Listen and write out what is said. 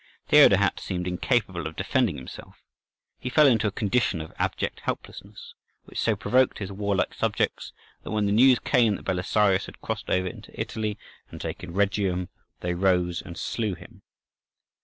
Theodahat seemed incapable of defending himself; he fell into a condition of abject helplessness, which so provoked his warlike subjects, that when the news came that Belisarius had crossed over into Italy and taken Rhegium, they rose and slew him.